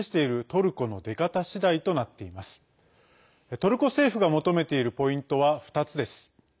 トルコ政府が求めているポイントは２つです。